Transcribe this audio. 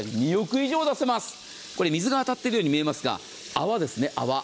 これ、水が当たってるように見えますが、泡ですね、泡。